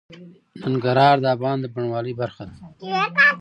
ننګرهار د افغانستان د بڼوالۍ برخه ده.